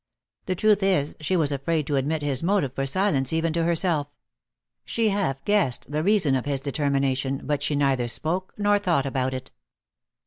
The truth is, she was afraid to admit his motive for silence even to herself. She half guessed the reason of his determination, but she neither spoke nor thought about it.